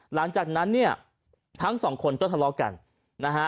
หลังจากนั้นเนี่ยทั้งสองคนก็ทะเลาะกันนะฮะ